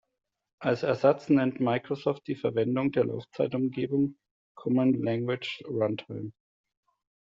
Als Ersatz nennt Microsoft die Verwendung der Laufzeitumgebung Common Language Runtime.